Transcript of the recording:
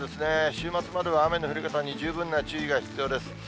週末までは雨の降り方に十分な注意が必要です。